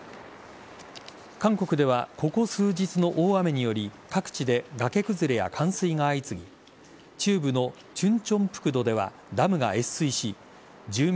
韓国では、ここ数日の大雨により各地で崖崩れや冠水が相次ぎ中部のチュンチョンプクドではダムが越水し住民